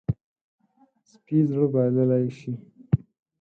سپي زړه بایللی شي.